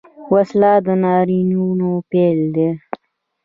وسله د ناورینونو پیل ده